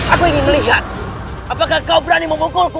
aku ingin melihat apakah kau berani memukulku